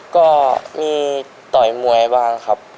ก็มีต่อยมวยบ้างครับ